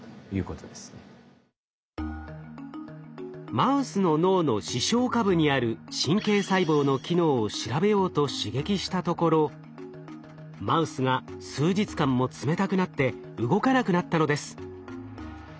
マウスの脳の視床下部にある神経細胞の機能を調べようと刺激したところマウスが数日間も冷たくなって動かなくなったのです。